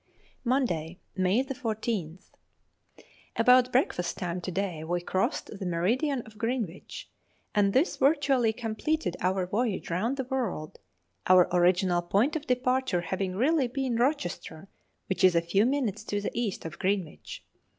Monday, May 14th. About breakfast time to day we crossed the meridian of Greenwich; and this virtually completed our voyage round the world, our original point of departure having really been Rochester, which is a few minutes to the east of Greenwich.